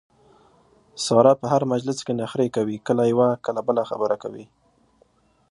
ساره په هر مجلس کې نخرې کوي کله یوه کله بله خبره کوي.